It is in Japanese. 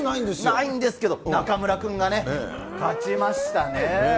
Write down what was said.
ないんですけど、なかむら君がね、勝ちましたね。